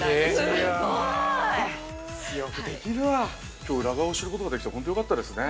きょう裏側を知ることができて本当によかったですね。